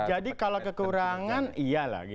jadi kalau kekurangan iyalah